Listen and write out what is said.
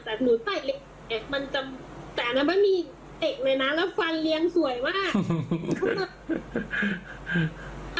แต่หนูใส่เหล็กมันจะแต่อันนั้นไม่มีเอกเลยนะแล้วฟันเรียงสวยมาก